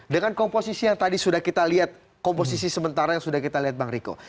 dengan komposisi yang tadi sudah kita lihat komposisi sementara yang sudah kita lihat bang riko